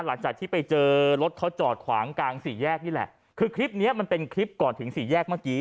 หลังจากที่ไปเจอรถเขาจอดขวางกลางสี่แยกนี่แหละคือคลิปเนี้ยมันเป็นคลิปก่อนถึงสี่แยกเมื่อกี้